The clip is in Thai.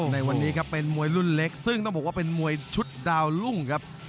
ในวันนี้ครับเป็นมวยรุ่นเล็กซึ่งต้องบอกว่าเป็นมวยชุดดาวรุ่งครับ